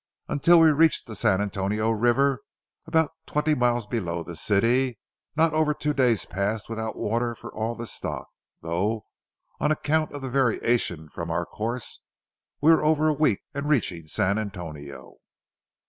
Until we reached the San Antonio River, about twenty miles below the city, not over two days passed without water for all the stock, though, on account of the variations from our course, we were over a week in reaching San Antonio.